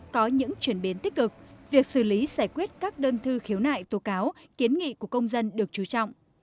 có những chuyển biến tích cực việc xử lý giải quyết các đơn thư khiếu nại tố cáo kiến nghị của công dân được trú trọng